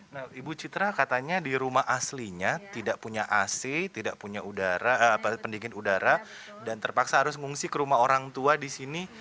nah ibu citra katanya di rumah aslinya tidak punya ac tidak punya pendingin udara dan terpaksa harus mengungsi ke rumah orang tua di sini